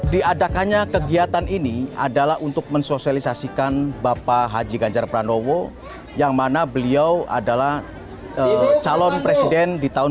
diadakannya kegiatan ini adalah untuk mensosialisasikan bapak haji ganjar pranowo yang mana beliau adalah calon presiden di tahun dua ribu dua puluh